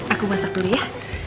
aku masak dulu ya